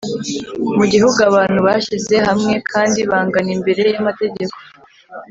mu gihugu abantu bashyize hamwe kandi bangana imbere y' amategeko,